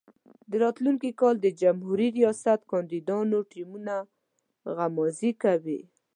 د راتلونکي کال د جمهوري ریاست کاندیدانو ټیمونه غمازي کوي.